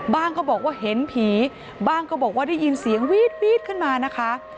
ก็บอกว่าเห็นผีบ้างก็บอกว่าได้ยินเสียงวีดขึ้นมานะคะ